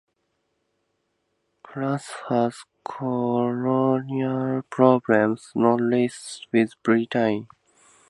France had colonial problems, not least with Britain.